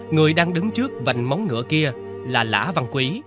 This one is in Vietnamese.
người đang đứng trước vành móng ngửa kia là lã văn quý